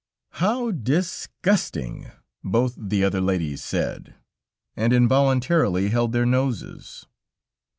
"How disgusting!" both the other ladies said, and involuntarily held their noses.